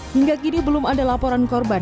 hingga kini belum ada laporan korban